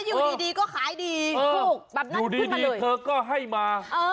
เอ้ยอยู่ดีดีก็ขายดีเออพูกแบบนั้นขึ้นมาเลยอยู่ดีดีเธอก็ให้มาเออ